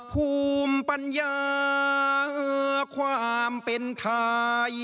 ภูมิปัญญาความเป็นไทย